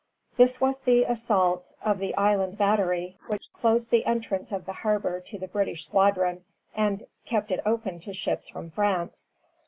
This was the assault of the Island Battery, which closed the entrance of the harbor to the British squadron, and kept it open to ships from France.